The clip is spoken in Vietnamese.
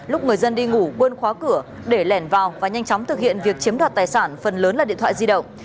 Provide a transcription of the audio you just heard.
lúc người dân đi ngủ quên khóa cửa để lẻn vào và nhanh chóng thực hiện việc chiếm đoạt tài sản phần lớn là điện thoại di động